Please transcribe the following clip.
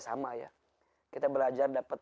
sama ya kita belajar dapat